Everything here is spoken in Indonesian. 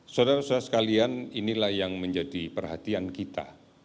saudara saudara sekalian inilah yang menjadi perhatian kita